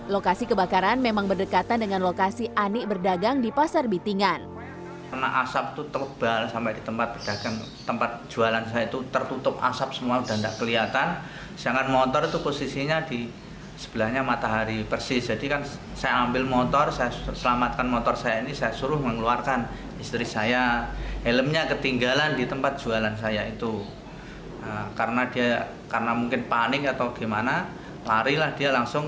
lokasi kebakaran memang berdekatan dengan lokasi anik berdagang di pasar bitingan